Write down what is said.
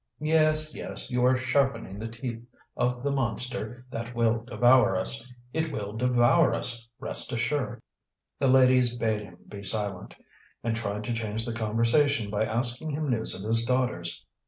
Yes, yes, you are sharpening the teeth of the monster that will devour us. It will devour us, rest assured!" The ladies bade him be silent, and tried to change the conversation by asking him news of his daughters.